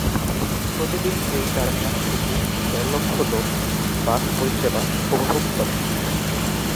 প্রতিদিন এই টার্মিনাস থেকে দেড় লক্ষ লোক বাস পরিষেবা উপভোগ করেন।